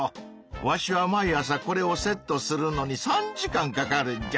わしは毎朝これをセットするのに３時間かかるんじゃ。